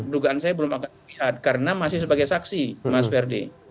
dugaan saya belum akan terlihat karena masih sebagai saksi mas ferdi